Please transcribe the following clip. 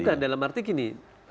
bukan dalam arti gini